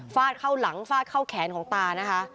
เข้าหลังฟาดเข้าแขนของตานะคะ